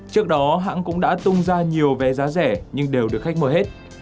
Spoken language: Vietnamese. trước đó hãng cũng đã tung ra nhiều vé giá rẻ nhưng đều được khách mua hết